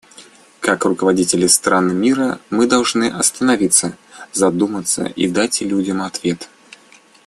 Как руководители стран мира мы должны остановиться, задуматься и дать людям ответ.